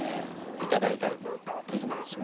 いただいたりもできますしね。